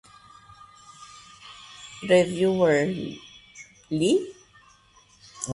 Reviewer Ll.